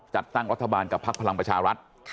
จัดตั้งรัฐบาลกับพักพลังประชารัฐ